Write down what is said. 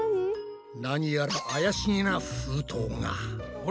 何やら怪しげな封筒が。